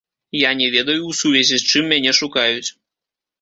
Я не ведаю, у сувязі з чым мяне шукаюць.